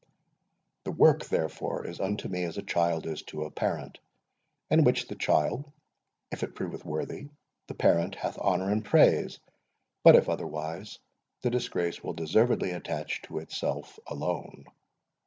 The work, therefore, is unto me as a child is to a parent; in the which child, if it proveth worthy, the parent hath honour and praise; but, if otherwise, the disgrace will deservedly attach to itself alone.